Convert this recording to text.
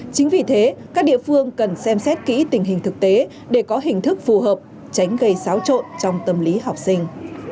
chính vì thế các địa phương cần xem xét kỹ tình hình thực tế để có hình thức phù hợp tránh gây xáo trộn trong tâm lý học sinh